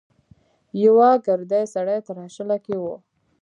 يوه ګردي سړی تراشله کې و.